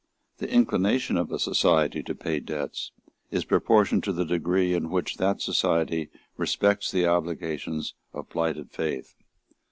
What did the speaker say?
The inclination of a society to pay debts is proportioned to the degree in which that society respects the obligations of plighted faith.